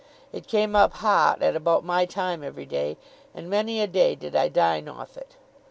It came up hot at about my time every day, and many a day did I dine off it.